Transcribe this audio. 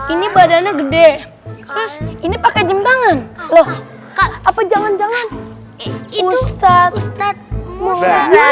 ini badannya gede ini pakai jembatan loh apa jangan jangan itu ustadz ustadz muzaa